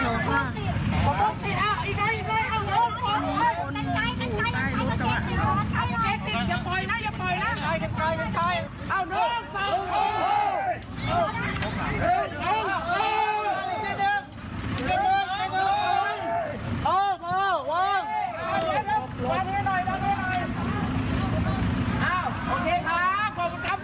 โอเคค่ะขอบคุณครับทุกคนครับ